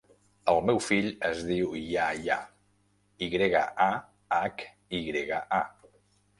El meu fill es diu Yahya: i grega, a, hac, i grega, a.